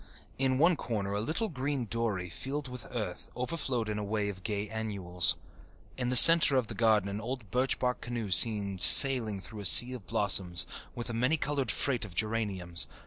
In one corner a little green dory, filled with earth, overflowed in a wave of gay annuals. In the centre of the garden an old birch bark canoe seemed sailing through a sea of blossoms, with a many coloured freight of geraniums.